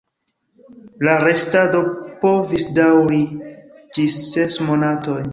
La restado povis daŭri ĝis ses monatoj.